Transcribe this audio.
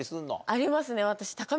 ありますね私。